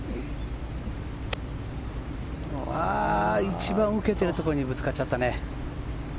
一番受けているところにぶつかっちゃったね。